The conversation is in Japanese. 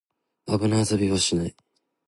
危ない遊びはしない